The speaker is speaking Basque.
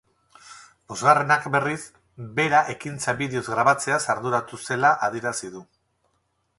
Bosgarrenak, berriz, bera ekintza bideoz grabatzeaz arduratu zela adierazi du.